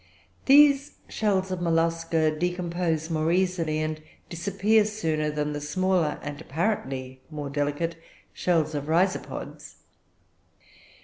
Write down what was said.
These shells of Mollusca decompose more easily and disappear sooner than the smaller, and apparently more delicate, shells of rhizopods.